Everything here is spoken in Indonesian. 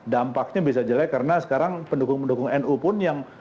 dampaknya bisa jelek karena sekarang pendukung pendukung nu pun yang